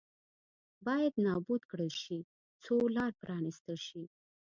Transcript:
باید نابود کړل شي څو لار پرانېستل شي.